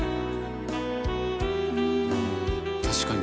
「確かに」